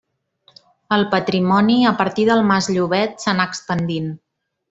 El patrimoni a partir del mas Llobet s'anà expandint.